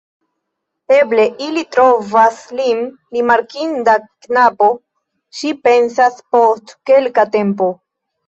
Eble ili trovas lin rimarkinda knabo, ŝi pensas post kelka tempo.